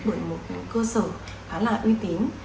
bởi một cơ sở khá là uy tín